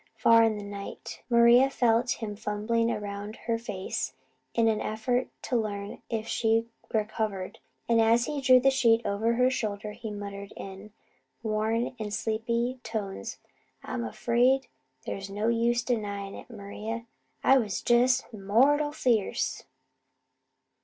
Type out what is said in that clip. Far in the night Maria felt him fumbling around her face in an effort to learn if she were covered; and as he drew the sheet over her shoulder he muttered in worn and sleepy tones: "I'm afraid they's no use denyin' it, Maria, I WAS JEST MORTAL FIERCE."